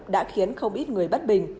đã khiến không ít người bất bình